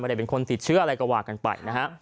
ได้เป็นคนติดเชื้ออะไรก็ว่ากันไปนะฮะ